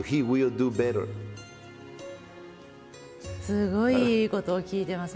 すごいいいことを聞いてます